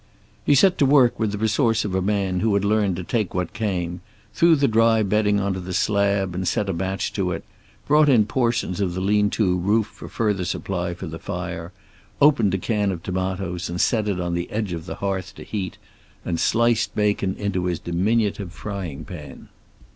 He set to work with the resource of a man who had learned to take what came, threw the dry bedding onto the slab and set a match to it, brought in portions of the lean to roof for further supply for the fire, opened a can of tomatoes and set it on the edge of the hearth to heat, and sliced bacon into his diminutive frying pan.